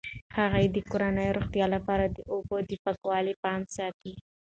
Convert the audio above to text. هغې د کورنۍ د روغتیا لپاره د اوبو د پاکوالي پام ساتي.